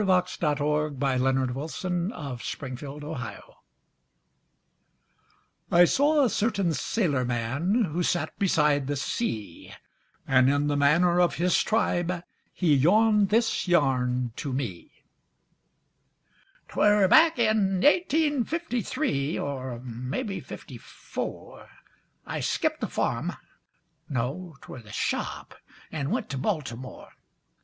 _ ALL AT SEA THE VOYAGE OF A CERTAIN UNCERTAIN SAILORMAN I saw a certain sailorman who sat beside the sea, And in the manner of his tribe he yawned this yarn to me: "'Twere back in eighteen fifty three, or mebbe fifty four, I skipped the farm, no, 't were the shop, an' went to Baltimore.